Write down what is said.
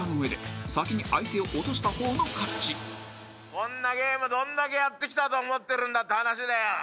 こんなゲームどんだけやってきたと思ってるんだって話だよ。